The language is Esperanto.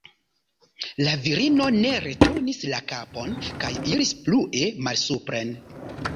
La virino ne returnis la kapon kaj iris plue malsupren.